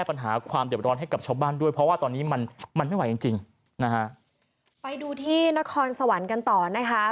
ไปดูที่นครสวรรค์กันต่อนะฮะ